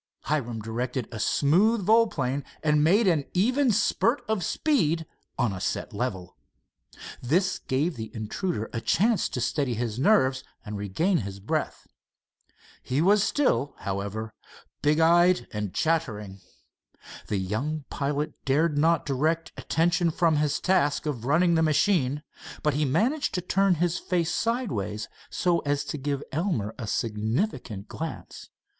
Hiram directed a smooth volplane and made an even spurt of speed on a set level. This gave the intruder a chance to steady his nerves and regain his breath. He was still, however, big eyed and chattering. The young pilot dared not direct attention from his task of running the machine, but he managed to turn his face sideways so as to give Elmer a significant glance.